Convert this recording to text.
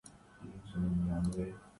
کاش ہم غریب نہ ہوتے